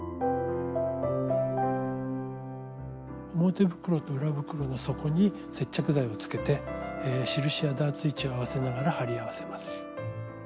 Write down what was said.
表袋と裏袋の底に接着剤をつけて印やダーツ位置を合わせながら貼り合わせます。